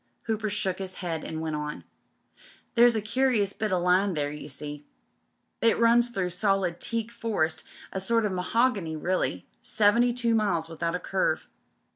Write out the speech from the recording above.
Hooper shook his head and went on: "There's a curious bit o' line there, you see. It runs through solid teak forest — a sort o' mahogany really — seventy two miles without a curve.